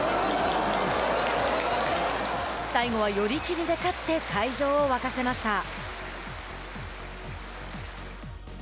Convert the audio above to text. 最後は寄り切りで勝って会場を沸かせました。